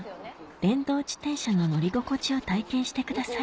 電動自転車の乗り心地を体験してください